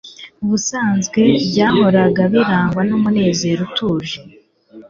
ubusanzwe byahoraga birangwa n'umunezero utuje.